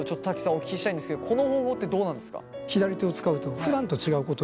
お聞きしたいんですけどこの方法ってどうなんですか？